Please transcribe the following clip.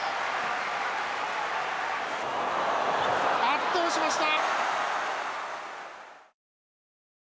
圧倒しました。